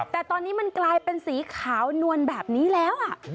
แต่ตอนนี้มันกลายเป็นสีขาวนวลแบบนี้แล้ว